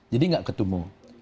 jadi nggak ketemu